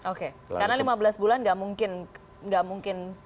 oke karena lima belas bulan gak mungkin